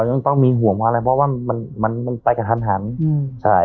ยังต้องมีห่วงอะไรเพราะว่ามันมันไปกระทันหันอืมใช่